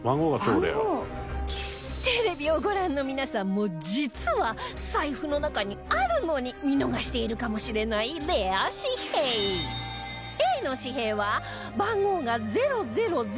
テレビをご覧の皆さんも実は財布の中にあるのに見逃しているかもしれないレア紙幣Ａ の紙幣は番号が「０００００１」